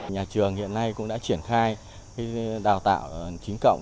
nhà trường hiện nay cũng đã triển khai đào tạo chính cộng